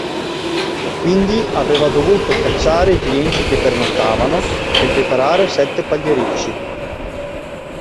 Quindi aveva dovuto cacciare i clienti che pernottavano e preparare sette pagliericci.